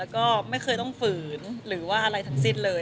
ก็ไม่เคยต้องฝืนหรือว่าอะไรทั้งสิ้นเลย